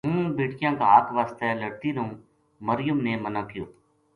” ہوں بیٹکیاں کا حق واسطے لڑتی رہوں “ مریم نے مَنا کہیو